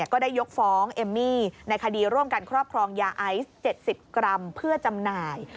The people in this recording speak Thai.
ก็ได้ยกฟ้องเอมมี่ในคดีร่วมกันครอบครองยาไอซ์๗๐กรัมเพื่อจำหน่าย